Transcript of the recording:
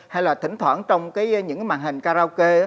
hay là thỉnh thoảng trong những màn hình karaoke